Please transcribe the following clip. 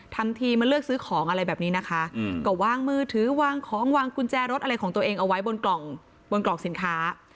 ทำทีมาเลือกซื้อของอะไรแบบนี้นะคะก็วางมือถือวางของวางกุญแจรถอะไรของตัวเองเอาไว้บนกล่องบนกล่องสินค้า